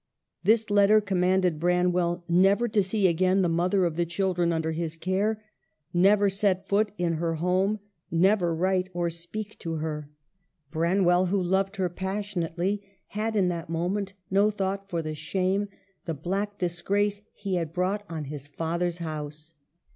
This letter commanded Branwell never to see again the mother of the children under his care, never set foot in her home, never write or speak to her. Branwell, BRANWELVS FALL. 159 who loved her passionately, had in that mo ment no thought for the shame, the black disgrace, he had brought on his father's house.